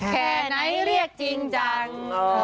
แค่ไหนเรียกจริงจัง